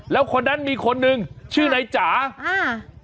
แล้วคนนั้นมีคนหนึ่งชื่อนายจ๋าอ่า